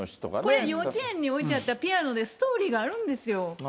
これ、幼稚園に置いてあったらピアノでストーリーがあるんですよ。